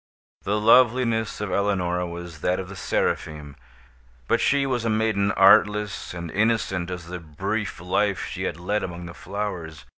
The loveliness of Eleonora was that of the Seraphim; but she was a maiden artless and innocent as the brief life she had led among the flowers.